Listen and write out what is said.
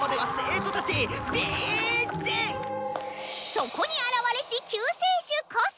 「そこに現れし救世主こそ」。